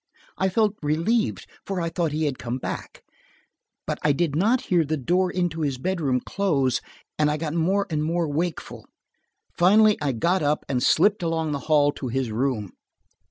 I felt relieved, for I thought he had come back. But I did not hear the door into his bedroom close, and I got more and more wakeful. Finally I got up and slipped along the hall to his room.